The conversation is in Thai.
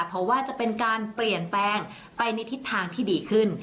เพราะว่าจะเป็นการเปลี่ยนแปลงไปในทิศทางที่ดีขึ้น